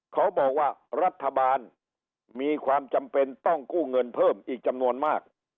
เขาบอกว่ารัฐบาลมีความจำเป็นต้องกู้เงินเพิ่มอีกจำนวนมาก